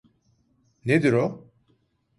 Nedir o?